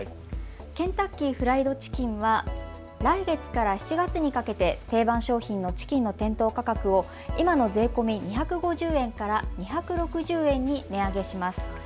ケンタッキーフライドチキンは来月から７月にかけて定番商品のチキンの店頭価格を今の税込み２５０円から２６０円に値上げします。